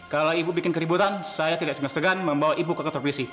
kalau ibu bikin keributan saya tidak segan segan membawa ibu ke kantor polisi